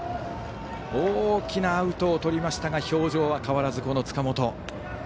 大きなアウトをとりましたが、表情は変わらずこの塚本。